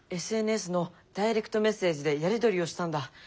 ＳＮＳのダイレクトメッセージでやり取りをしたんだ。